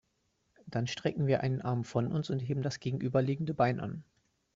Dann strecken wir einen Arm von uns und heben das gegenüberliegende Bein an.